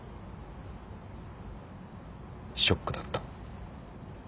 ショックだった。